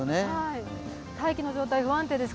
大気の状態、不安定です。